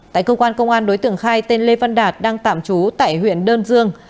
tại công an công an đối tượng khai tên lê văn đạt đang tạm trú tại huyện đơn dương